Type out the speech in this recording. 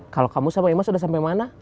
kalau kamu sama imas udah sampai mana